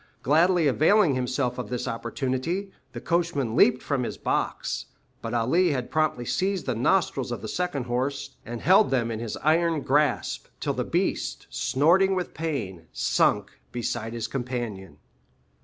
Gladly availing himself of this opportunity, the coachman leaped from his box; but Ali had promptly seized the nostrils of the second horse, and held them in his iron grasp, till the beast, snorting with pain, sunk beside his companion.